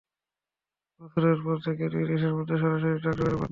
পরের বছর থেকে দুই দেশের মধ্যে সরাসরি ডাক যোগাযোগ বন্ধ হয়ে যায়।